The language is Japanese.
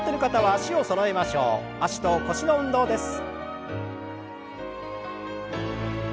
脚と腰の運動です。